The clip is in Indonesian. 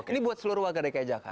ini buat seluruh warga dki jakarta